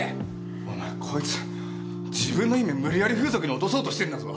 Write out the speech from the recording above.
お前こいつ自分の姫無理やり風俗に落とそうとしてんだぞ。